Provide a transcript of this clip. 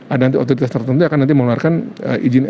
ada otoritas tertentu yang akan mengeluarkan izin